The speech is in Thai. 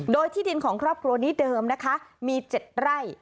โดยที่ดินของครอบครัวนี้เดิมนะคะมี๗ไร่